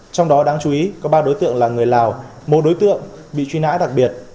trong đó đáng chú ý có ba đối tượng là người lào một đối tượng bị truy nã đặc biệt